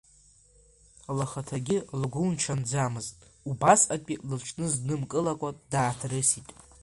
Лхаҭагьы лгәы лҽанӡамызт, убасҟатәи лыҽлызнымкылакәа дааҭрысит.